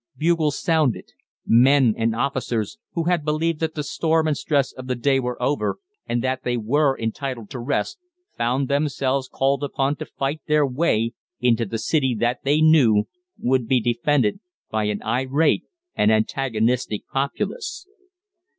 Bugles sounded. Men and officers, who had believed that the storm and stress of the day were over, and that they were entitled to rest, found themselves called upon to fight their way into the city that they knew would be defended by an irate and antagonistic populace.